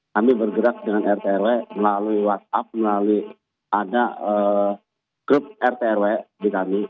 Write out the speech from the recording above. kami bergerak dengan rtrw melalui whatsapp melalui ada grup rtrw di kami